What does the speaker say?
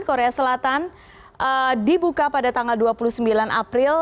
korea selatan dibuka pada tanggal dua puluh sembilan april